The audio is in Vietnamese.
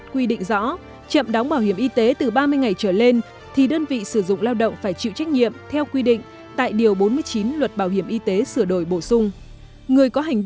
quyết định tăng một trăm sáu mươi đồng một tháng